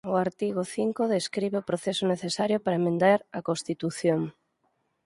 O artigo cinco describe o proceso necesario para emendar a constitución.